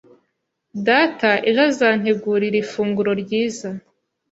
Data ejo azantegurira ifunguro ryiza.